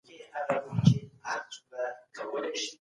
که پاچا عیش خوښ کړي نظام پرځیږي.